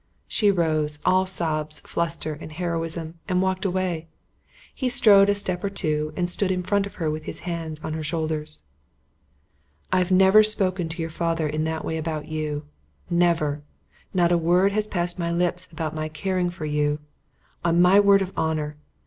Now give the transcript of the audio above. She rose, all sobs, fluster, and heroism, and walked away. He strode a step or two and stood in front of her with his hands on her shoulders. "I've never spoken to your father in that way about you. Never. Not a word has passed my lips about my caring for you. On my word of honour.